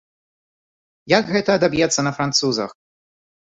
Як гэта адаб'ецца на французах?